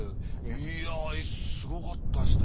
いやすごかったですね